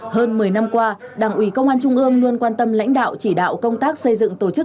hơn một mươi năm qua đảng ủy công an trung ương luôn quan tâm lãnh đạo chỉ đạo công tác xây dựng tổ chức